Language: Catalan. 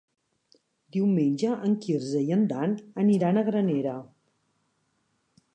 Diumenge en Quirze i en Dan aniran a Granera.